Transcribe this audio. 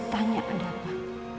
tanya ada apa